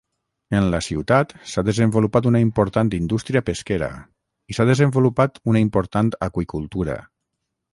En la ciutat s'ha desenvolupat una important indústria pesquera, i s'ha desenvolupat una important aqüicultura.